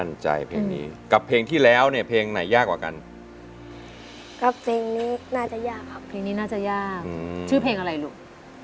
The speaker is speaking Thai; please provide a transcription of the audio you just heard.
เพลงนี้กับเพลงที่แล้วเนี่ยเพลงไหนยากกว่ากันกับเพลงนี้น่าจะยากครับเพลงนี้น่าจะยากชื่อเพลงอะไรลูก